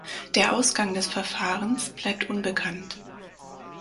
Der Ausgang des Verfahrens bleibt unbekannt.